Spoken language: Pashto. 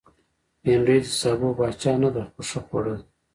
بېنډۍ د سابو پاچا نه ده، خو ښه خوړه ده